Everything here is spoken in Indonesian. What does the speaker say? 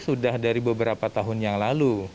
sudah dari beberapa tahun yang lalu